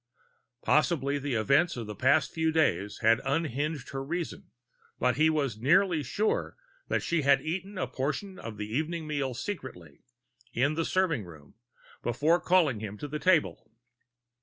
Possibly the events of the past few days had unhinged her reason, but he was nearly sure that she had eaten a portion of the evening meal secretly, in the serving room, before calling him to the table.